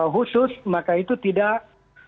khusus maka itu tidak